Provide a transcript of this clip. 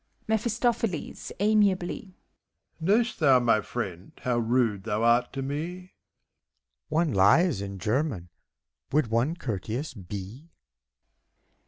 MEPHISTOPHELES (amiably), Know'st thou, my friend, how rude thou art to me f BACCALAUREUS. One lies, in German, would one courteous be.